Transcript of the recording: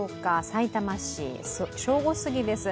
さいたま市、正午すぎです。